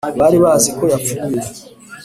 Bari bazi ko yapfuye